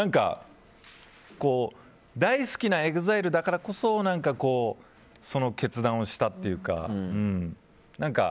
大好きなＥＸＩＬＥだからこそその決断をしたというか。